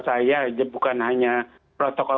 saya bukan hanya protokol